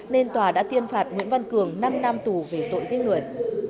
nên tòa đã tiên phạt nguyễn văn cường năm năm tù về tội diên nguyện